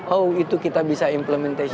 oh itu kita bisa implementasi